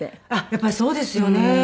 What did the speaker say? やっぱりそうですよね。